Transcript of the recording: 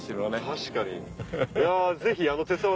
確かに。